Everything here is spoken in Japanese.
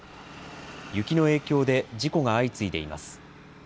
雪の影響で事故が相次いでいます。